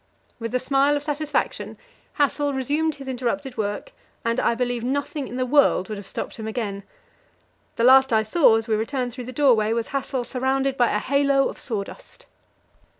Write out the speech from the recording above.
With a smile of satisfaction Hassel resumed his interrupted work, and I believe nothing in the world would have stopped him again. The last I saw as we returned through the doorway was Hassel surrounded by a halo of sawdust.